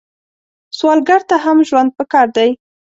سوالګر ته هم ژوند پکار دی